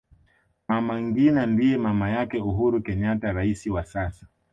mama ngina ndiye mama yake uhuru kenyatta rais wa sasa